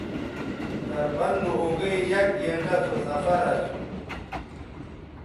دربند نو اوگئ یک گھنٹہ سو سفر اسو